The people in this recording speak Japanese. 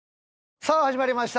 さあ始まりました。